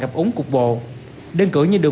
ngập úng cục bộ đơn cửa như đường